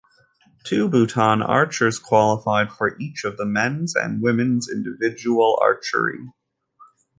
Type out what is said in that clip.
Two Bhutan archers qualified each for the men's and women's individual archery.